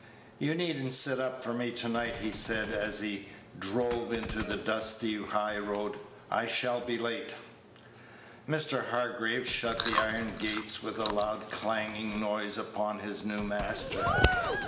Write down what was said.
"You need n't sit up for me to night," he said, as he drove into the dusty high road; "I shall be late." Mr. Hargraves shut the iron gates with a loud clanking noise upon his new master.